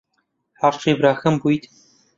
عاشقی براکەم بوویت؟